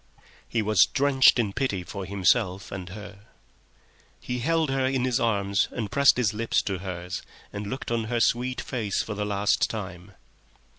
He was drenched in pity for himself and her. He held her in his arms, and pressed his lips to hers and looked on her sweet face for the last time.